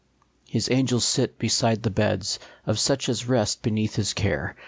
His angels sit beside the beds Of such as rest beneath his care.